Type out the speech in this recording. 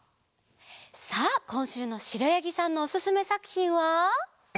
さあこんしゅうのしろやぎさんのおすすめさくひんは？